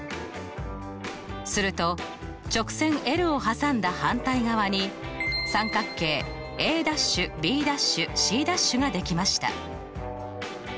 すると直線を挟んだ反対側に三角形Ａ’Ｂ’Ｃ’ができました。